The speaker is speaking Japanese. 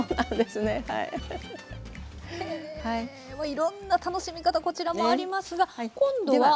いろんな楽しみ方こちらもありますが今度は。